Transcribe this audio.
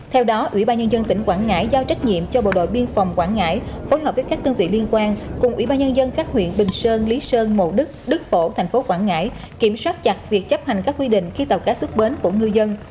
theo đó ủy ban nhân dân tỉnh quảng ngãi giao trách nhiệm cho bộ đội biên phòng quảng ngãi phối hợp với các đơn vị liên quan cùng ủy ban nhân dân các huyện bình sơn lý sơn mộ đức đức phổ thành phố quảng ngãi kiểm soát chặt việc chấp hành các quy định khi tàu cá xuất bến của ngư dân